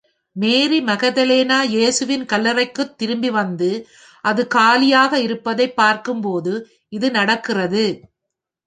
மேரி Magdalena, இயேசுவின் கல்லறைக்குத் திரும்பி வந்து, அது காலியாக இருப்பதைப் பார்க்கும் போது, இது நடக்கிறது.